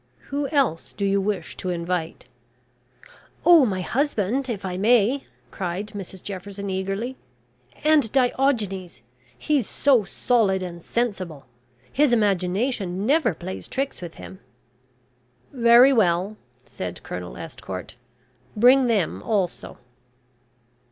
Who else do you wish to invite?" "Oh, my husband, if I may," cried Mrs Jefferson, eagerly, "and Diogenes he's so solid and sensible. His imagination never plays tricks with him." "Very well," said Colonel Estcourt, "bring them also."